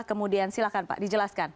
kemudian silahkan pak dijelaskan